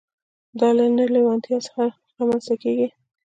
دا له نه لېوالتيا څخه نه رامنځته کېږي.